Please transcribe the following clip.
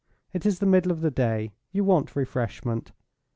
It is the middle of the day; you want refreshment.